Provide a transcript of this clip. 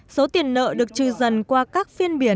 số tiền nợ được trừ dần qua các phiên biển